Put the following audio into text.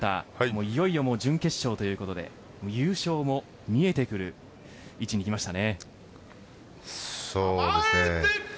いよいよ準決勝ということで優勝も見えてくる位置に来ましたね。